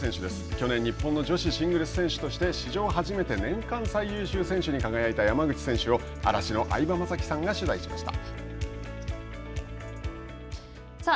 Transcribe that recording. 去年、日本の女子シングルス選手として史上初めて年間最優秀選手に輝いた山口選手と嵐の相葉雅紀さんが取材しました。